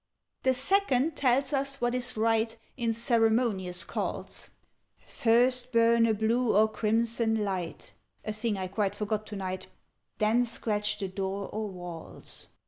"The Second tells us what is right In ceremonious calls: 'First burn a blue or crimson light' (A thing I quite forgot to night), '_Then scratch the door or walls.